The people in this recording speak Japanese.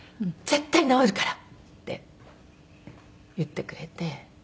「絶対治るから」って言ってくれて。